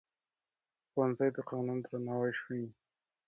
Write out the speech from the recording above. ښوونځی د قانون درناوی ښيي